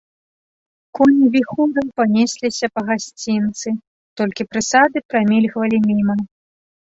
Коні віхураю панесліся па гасцінцы, толькі прысады прамільгвалі міма.